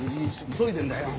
急いでるんだよ。